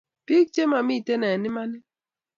Peek che mamtine en emani